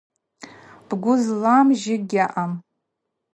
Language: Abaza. Бгӏвы злам жьы гьаъам.